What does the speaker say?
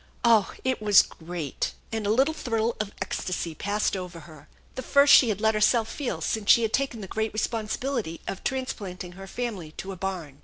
Oh, it was great! And a little thrill of ecstasy passed over her, the first she had let herself feel since she had taken the great responsibility of transplanting her family to a barn.